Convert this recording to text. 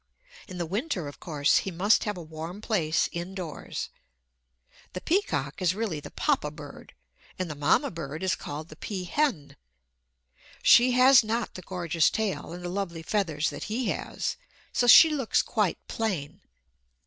In the winter, of course, he must have a warm place indoors. The peacock is really the Papa bird, and the Mamma bird is called the peahen. She has not the gorgeous tail and the lovely feathers that he has; so she looks quite plain.